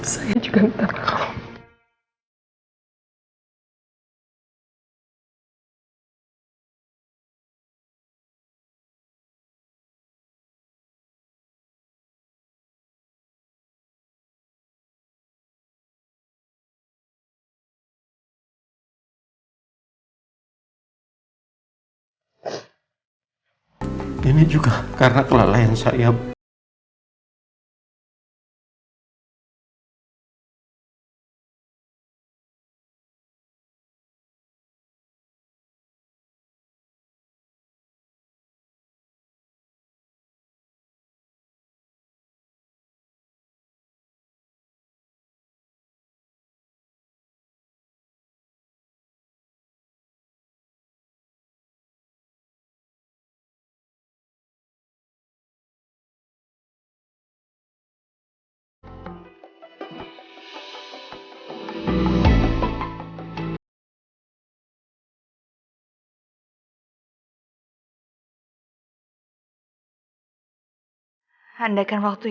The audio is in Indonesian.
saya juga tidak tahu